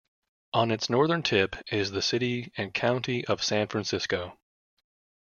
On its northern tip is the City and County of San Francisco.